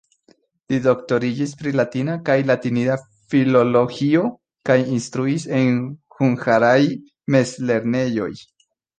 Li doktoriĝis pri latina kaj latinida filologio kaj instruis en hungaraj mezlernejoj.